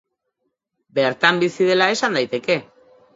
Bertan bizi dela esan daiteke.